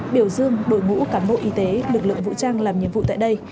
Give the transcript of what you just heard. biểu dương đội ngũ cán bộ y tế lực lượng vũ trang làm nhiệm vụ tại đây